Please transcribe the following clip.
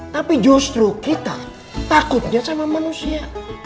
tapi justru kita takutnya sama manusia